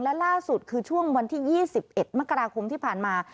และล่าสุดคือช่วงวันที่๒๑มกราคมที่ผ่านมา